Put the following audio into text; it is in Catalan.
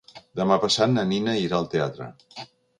Demà passat na Nina irà al teatre.